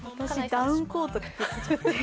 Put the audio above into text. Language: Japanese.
私、ダウンコートです。